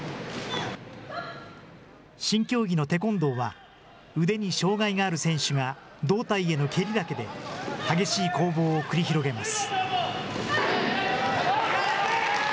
新競技のテコンドーは、腕に障害がある選手が、胴体への蹴りだけで、激しい攻防を繰り広げます。